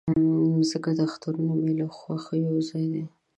مځکه د اخترونو، میلو، خوښیو ځای ده.